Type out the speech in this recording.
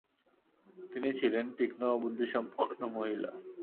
তিনি ছিলেন তীক্ষ্ম বুদ্ধিসম্পন্ন মহিলা।